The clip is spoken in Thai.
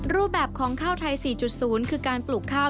รูปแบบของข้าวไทย๔๐คือการปลูกข้าว